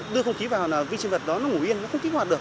đưa không khí vào là vi sinh vật đó nó ngủ yên nó không kích hoạt được